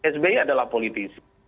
sby adalah politisi